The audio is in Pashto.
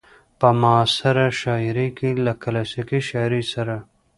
په معاصره شاعرۍ کې له کلاسيکې شاعرۍ سره